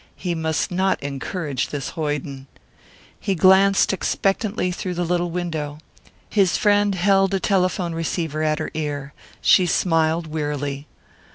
He must not encourage this hoyden. He glanced expectantly through the little window. His friend held a telephone receiver at her ear. She smiled wearily.